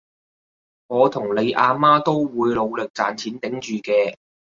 我同你阿媽都會努力賺錢頂住嘅